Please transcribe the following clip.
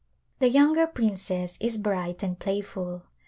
The younger princess is bright and playful.